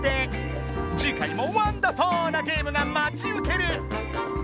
次回もワンダフォなゲームがまちうける。